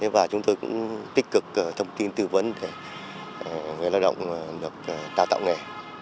và chúng tôi cũng tích cực thông tin tư vấn để người lao động được đào tạo nghề